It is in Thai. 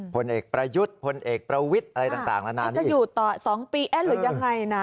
ผลเอกประยุทธ์พลเอกประวิทย์อะไรต่างนานจะอยู่ต่อ๒ปีเอ๊ะหรือยังไงนะ